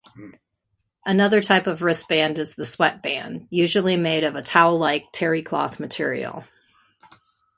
Another type of wristband is the sweatband; usually made of a towel-like terrycloth material.